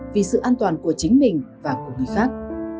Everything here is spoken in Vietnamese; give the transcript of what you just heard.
vì sự an toàn của chính mình và của người khác